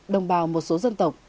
đồng bào một số dân tộc